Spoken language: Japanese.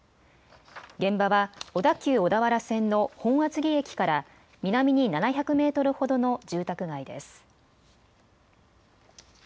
現場は小田急小田原線の本厚木駅から南に７００メートルほどの住宅街です。